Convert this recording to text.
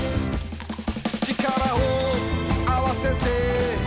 「力をあわせて」